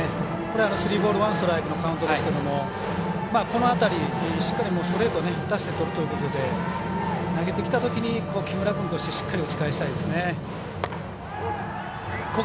スリーボールワンストライクのカウントですがこの辺り、しっかりストレートを打たせてとるということで投げてきたときに木村君としてしっかり打ち返したいですね。